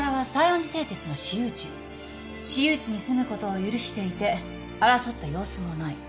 私有地に住むことを許していて争った様子もない。